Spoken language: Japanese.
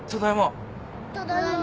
ただいま。